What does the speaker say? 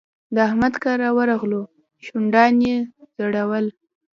د احمد کره ورغلو؛ شونډان يې ځړول.